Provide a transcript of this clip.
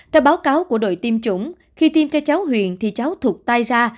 theo báo cáo của đội tiêm chủng khi tiêm cho cháu huyền thì cháu thụt tay ra